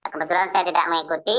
kebetulan saya tidak mengikuti